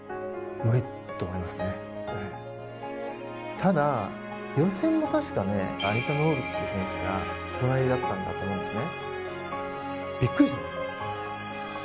ただ予選も確かねアニタ・ノールっていう選手が隣だったんだと思うんですね。